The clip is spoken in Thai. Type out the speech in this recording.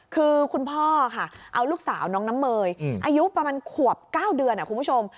คือคุณพ่อค่ะเอาลูกสาวน้องน้ำเมยอายุประมาณขวบ๙เดือนคุณผู้ชม